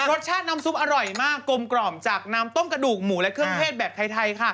รสชาติน้ำซุปอร่อยมากกลมกล่อมจากน้ำต้มกระดูกหมูและเครื่องเทศแบบไทยค่ะ